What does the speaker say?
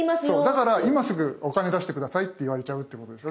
だから今すぐお金出して下さいって言われちゃうってことですよね。